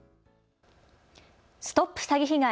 ＳＴＯＰ詐欺被害！